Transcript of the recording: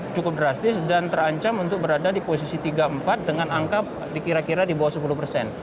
cukup drastis dan terancam untuk berada di posisi tiga empat dengan angka dikira kira di bawah sepuluh persen